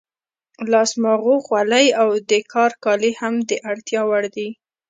لاس ماغو، خولۍ او د کار کالي هم د اړتیا وړ دي.